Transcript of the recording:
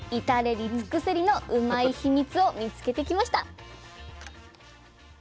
至れり尽くせりのうまいヒミツを見つけてきました。